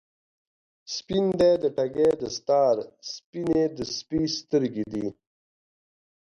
سپین دی د ټګۍ دستار، سپینې د سپي سترګی دي